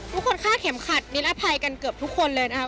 ฆ่าเข็มขัดนิรภัยกันเกือบทุกคนเลยนะครับ